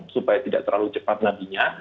supaya tidak terlalu cepat nantinya